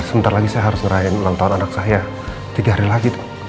sebentar lagi saya harus ngerahin melantar anak saya tiga hari lagi